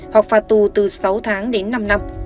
hoặc phạt tù từ sáu tháng đến năm năm